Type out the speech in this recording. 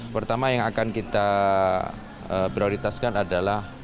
pertama yang akan kita prioritaskan adalah